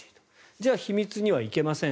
じゃあ秘密には行けません